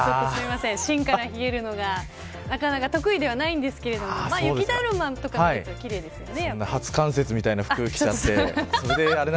芯から冷えるのが得意ではないのですが雪だるまとか見ると奇麗ですよね。